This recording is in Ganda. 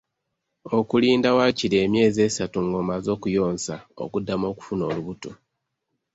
Okulinda waakiri emyezi esatu ng'omaze okuyonsa, okuddamu okufuna olubuto.